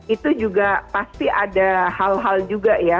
itu juga pasti ada hal hal juga ya